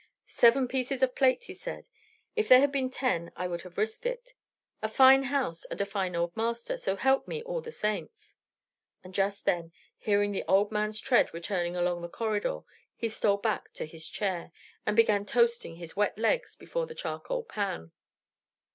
"Seven pieces of plate," he said. "If there had been ten I would have risked it. A fine house, and a fine old master, so help me all the saints." And just then, hearing the old man's tread returning along the corridor, he stole back to his chair, and began toasting his wet legs before the charcoal pan.